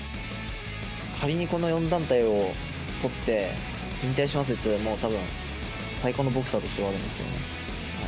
仮にこの４団体を取って、引退しますって言ったら、最高のボクサーとして終わるんですけどね。